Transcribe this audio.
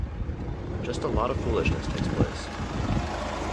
Just a lot of foolishness takes place.